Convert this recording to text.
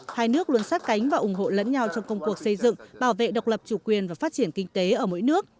hai nước luôn sát cánh và ủng hộ lẫn nhau trong công cuộc xây dựng bảo vệ độc lập chủ quyền và phát triển kinh tế ở mỗi nước